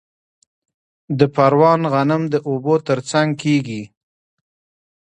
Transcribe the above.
د پروان غنم د اوبو ترڅنګ کیږي.